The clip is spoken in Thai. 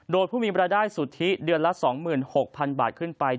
โดยผู้มีรายได้สุทธิเดือนละ๒๖๐๐๐บาทขึ้นไป